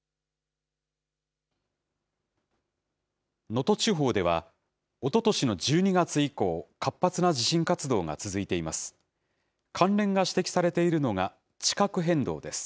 能登地方では、おととしの１２月以降、活発な地震活動が続いています。